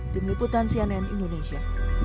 tim liputan sianen indonesia